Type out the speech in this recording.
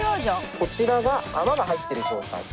こちらが泡が入ってる状態。